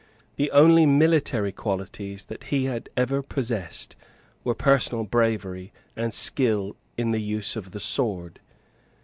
The only military qualities that he had ever possessed were personal bravery and skill in the use of the sword.